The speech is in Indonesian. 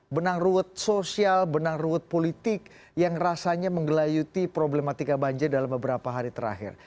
benang ruwet sosial benang ruwet politik yang rasanya menggelayuti problematika banjir dalam beberapa hari terakhir